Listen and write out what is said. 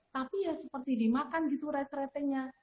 tapi ya seperti dimakan gitu ret retenya